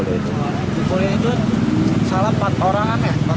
boleh itu salah empat orangan ya